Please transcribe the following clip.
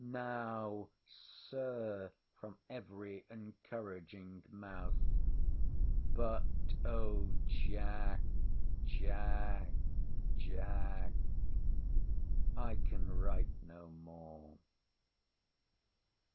Now, Sir! from every encouraging mouth!—— But, O Jack! Jack! Jack! I can write no more!